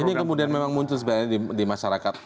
ini kemudian memang muncul sebenarnya di masyarakat